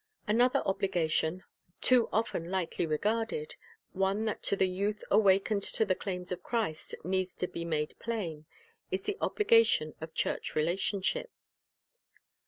Another obligation, too often lightly regarded, — one that to the youth awakened to the claims of Christ needs to be made plain, — is the obligation of church relationship.